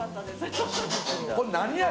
これ何味？